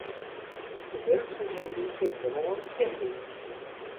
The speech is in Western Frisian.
De wurksumheden kinne gewoan fierder gean.